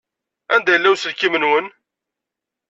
Anda yella uselkim-nwen?